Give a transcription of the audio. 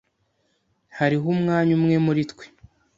Hariho umwanya umwe muri twe.